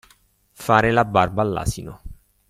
Fare la barba all'asino.